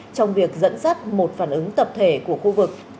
trong việc dẫn dắt một phản ứng tập thể của khu vực